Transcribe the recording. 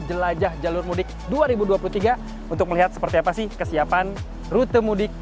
jelajah jalur mudik dua ribu dua puluh tiga untuk melihat seperti apa sih kesiapan rute mudik